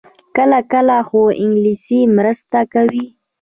کله کله، خو انګلیسي مرسته کوي